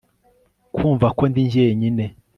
Kumva ko ndi jyenyine